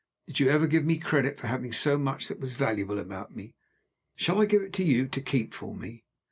Did you ever give me credit for having so much that was valuable about me? shall I give it you to keep for me?"